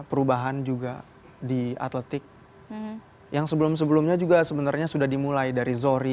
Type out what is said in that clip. perubahan juga di atletik yang sebelum sebelumnya juga sebenarnya sudah dimulai dari zohri